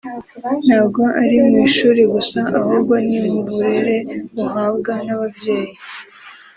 ntabwo ari mu ishuri gusa ahubwo ni mu burere uhabwa n’ababyeyi